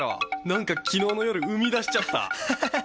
何か昨日の夜、生み出しちゃった。